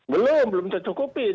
belum belum tercukupi